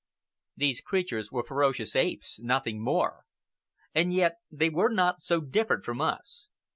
These creatures were ferocious apes, nothing more. And yet they were not so different from us.